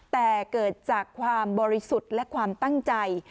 แต่เกิดจากความบริสุทธิ์และความตั้งใจ